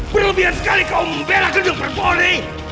berlebihan sekali kau memperlakukan perponi